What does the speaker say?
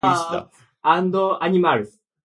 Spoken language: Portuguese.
E Alá, ou Deus, está sempre acima do invasor egoísta